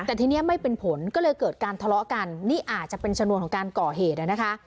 แต่ทีนี้ไม่เป็นผลก็เลยเกิดการทะเลาะกันนี่อาจจะเป็นชนวนของการก่อเหตุนะคะ